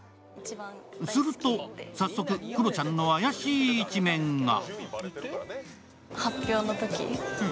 すると、早速、クロちゃんの怪しい一面が。